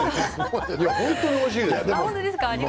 本当においしいです。